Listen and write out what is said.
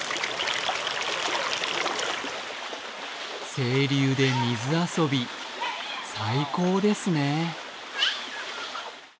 清流で水遊び、最高ですね。